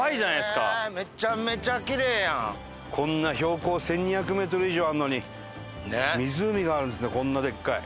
こんな標高１２００メートル以上あるのに湖があるんですねこんなでっかい。